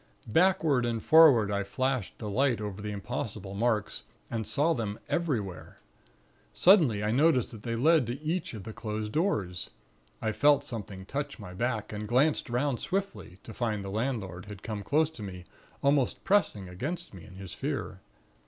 "Backward and forward I flashed the light over the impossible marks and saw them everywhere. Suddenly I noticed that they led to each of the closed doors. I felt something touch my back, and glanced 'round swiftly, to find the landlord had come close to me, almost pressing against me, in his fear.